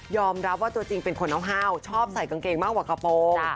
รับว่าตัวจริงเป็นคนน้องห้าวชอบใส่กางเกงมากกว่ากระโปรง